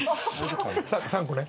３個ね。